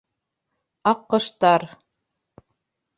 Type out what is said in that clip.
Аҡҡоштар...